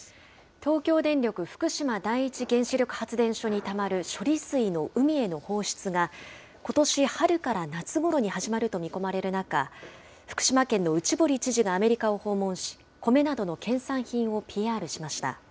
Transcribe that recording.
東京電力福島第一原子力発電所にたまる処理水の海への放出が、ことし春から夏ごろに始まると見込まれる中、福島県の内堀知事がアメリカを訪問し、米などの県産品をＰＲしました。